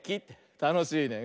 たのしいね。